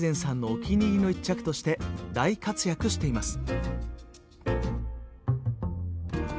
お気に入りの一着として大活躍しています。